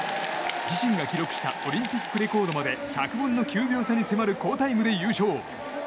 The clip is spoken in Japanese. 自身が記録したオリンピックレコードまで１００分の９秒差に迫る好タイムで優勝。